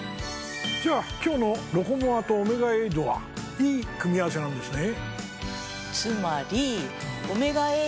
じゃあ今日のロコモアとオメガエイドはいい組み合わせなんですね。